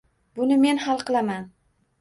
Buni men hal qilaman.